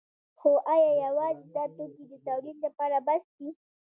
خو ایا یوازې دا توکي د تولید لپاره بس دي؟